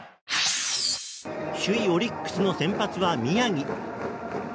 首位オリックスの先発は宮城。